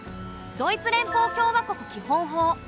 ドイツ連邦共和国基本法。